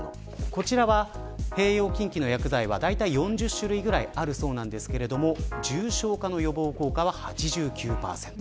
こちらは併用禁忌の薬剤は４０種類ぐらいあるそうですが重症化予防効果は８９％。